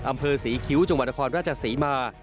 อำเภอศรีคิ้วจุงพันธครรมราชสีมา